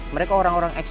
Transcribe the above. mereka orang orang peneliti